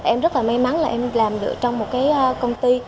em rất may mắn là em làm được trong một công ty